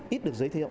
ít được giới thiệu